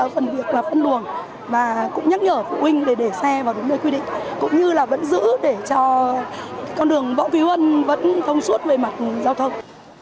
phần việc là phân luận và cũng nhắc nhở phụ huynh để xe vào đúng nơi quy định cũng như là vẫn giữ để cho con đường bỏ khí huân vẫn thông suốt về mặt giao thông